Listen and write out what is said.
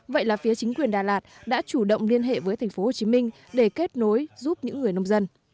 vậy là phía chính quyền đà lạt đã chủ động liên hệ với tp hồ chí minh để kết nối giúp những người nông dân